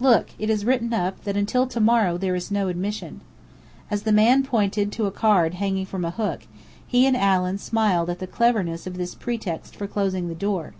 Look, it is written up, that until to morrow there is no admission." As the man pointed to a card hanging from a hook, he and Allen smiled at the cleverness of this pretext for closing the door.